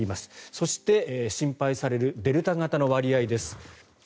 そして、心配されるデルタ型の割合です。